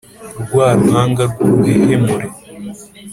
rwa ruhanga rw’ uruhehemure